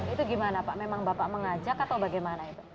itu gimana pak memang bapak mengajak atau bagaimana itu